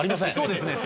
そうですね。